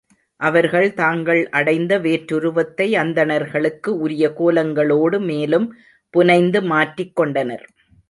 அவர்கள் தாங்கள் அடைந்த வேற்றுருவத்தை, அந்தணர்களுக்கு உரிய கோலங்களோடு மேலும் புனைந்து மாற்றிக் கொண்டனர்.